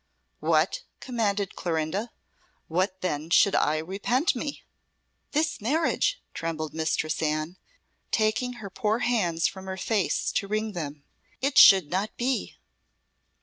"What?" commanded Clorinda "what then should I repent me?" "This marriage," trembled Mistress Anne, taking her poor hands from her face to wring them. "It should not be."